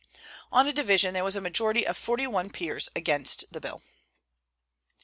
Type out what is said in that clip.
On a division, there was a majority of forty one peers against the bill.